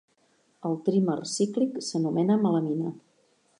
El trímer cíclic s'anomena melamina.